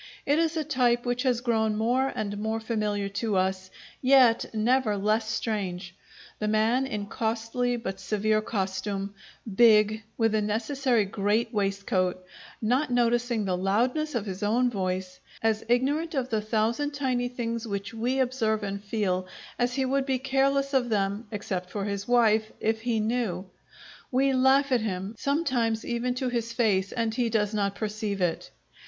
It is a type which has grown more and more familiar to us, yet never less strange: the man in costly but severe costume, big, with a necessary great waistcoat, not noticing the loudness of his own voice; as ignorant of the thousand tiny things which we observe and feel as he would be careless of them (except for his wife) if he knew. We laugh at him, sometimes even to his face, and he does not perceive it.